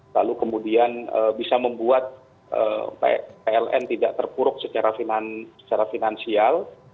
lalu kemudian bisa membuat pln tidak terpuruk secara finansial